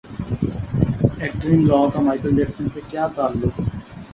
actor in Law کا Michael Jackson سے کیا تعلق